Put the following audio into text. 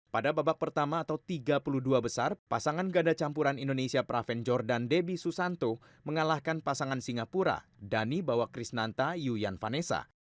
pada babak pertama atau tiga puluh dua besar pasangan ganda campuran indonesia praven jordan debbie susanto mengalahkan pasangan singapura dani bawakrisnanta yuyan vanessa